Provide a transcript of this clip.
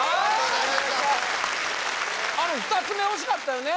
あの２つ目惜しかったよね